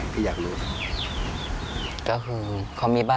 ภูมิพอเมื่อกี้